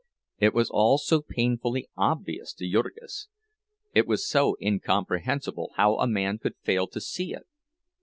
It was all so painfully obvious to Jurgis! It was so incomprehensible how a man could fail to see it!